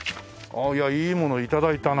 いやいいもの頂いたな。